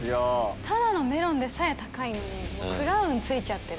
ただのメロンでさえ高いのに「クラウン」付いちゃってるんで。